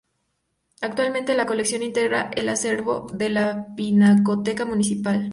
Actualmente, la colección integra el acervo de la Pinacoteca Municipal.